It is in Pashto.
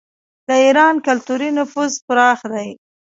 د ایران کلتوري نفوذ پراخ دی.